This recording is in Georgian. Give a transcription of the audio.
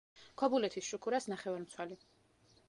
ქობულეთის „შუქურას“ ნახევარმცველი.